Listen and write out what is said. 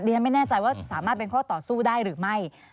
ฉันไม่แน่ใจว่าสามารถเป็นข้อต่อสู้ได้หรือไม่